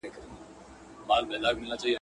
لاس تر غاړه به یاران وي ورځ یې تېره خوا په خوا سي!